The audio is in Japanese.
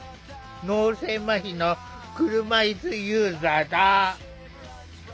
脳性まひの車いすユーザーだ。